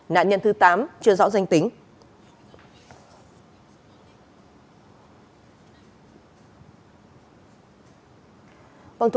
nạn nhân thứ tám chưa rõ danh tính